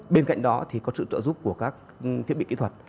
bên cạnh đó thì có sự trợ giúp của các thiết bị kỹ thuật